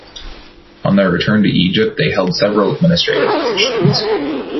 On their return to Egypt they held several administrative positions.